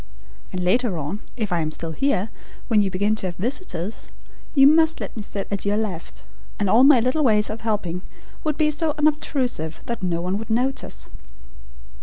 And later on, if I am still here, when you begin to have visitors, you must let me sit at your left, and all my little ways of helping would be so unobtrusive, that no one would notice."